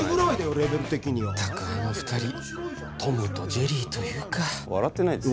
レベル的にはあの二人トムとジェリーというか笑ってないですよ